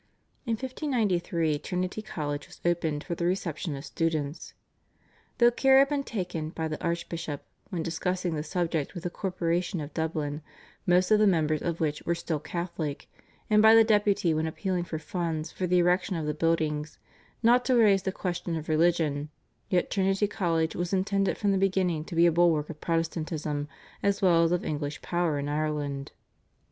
In 1593 Trinity College was opened for the reception of students. Though care had been taken by the archbishop when discussing the subject with the Corporation of Dublin, most of the members of which were still Catholic, and by the Deputy when appealing for funds for the erection of the buildings, not to raise the question of religion, yet Trinity College was intended from the beginning to be a bulwark of Protestantism as well as of English power in Ireland.